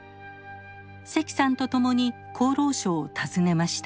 石さんと共に厚労省を訪ねました。